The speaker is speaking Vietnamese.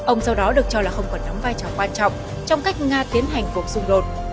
ông sau đó được cho là không còn đóng vai trò quan trọng trong cách nga tiến hành cuộc xung đột